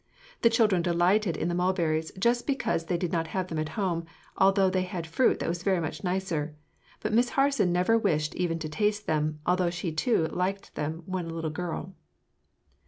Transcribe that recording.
The children delighted in the mulberries just because they did not have them at home, although they had fruit that was very much nicer; but Miss Harson never wished even to taste them, although she too had liked them when a little girl.